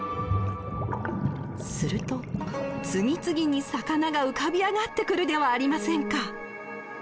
すると次々に魚が浮かび上がってくるではありませんか。